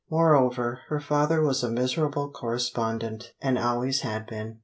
Moreover, her father was a miserable correspondent, and always had been.